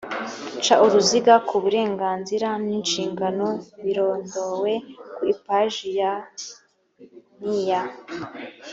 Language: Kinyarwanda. ca uruziga ku burenganzira n inshingano birondowe ku ipaji ya n iya